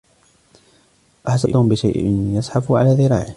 أحس توم بشيء يزحف على ذراعه.